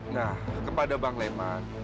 nah kepada bang leman